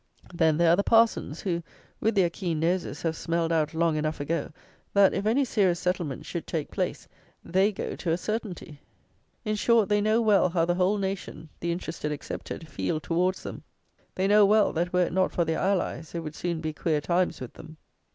Then there are the parsons, who with their keen noses, have smelled out long enough ago, that, if any serious settlement should take place, they go to a certainty. In short, they know well how the whole nation (the interested excepted) feel towards them. They know well, that were it not for their allies, it would soon be queer times with them.